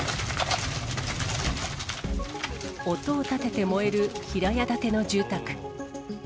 音を立てて燃える平屋建ての住宅。